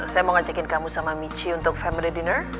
saya mau ngajakin kamu sama michi untuk family dinner